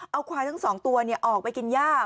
เอาควายทั้ง๒ตัวออกไปกินย่า